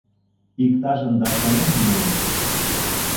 Иктажым да шонен му...